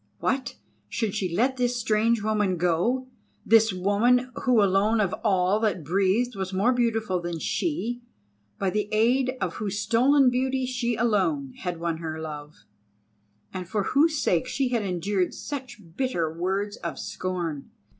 What, should she let this strange woman go—this woman who alone of all that breathed was more beautiful than she, by the aid of whose stolen beauty she alone had won her love, and for whose sake she had endured such bitter words of scorn?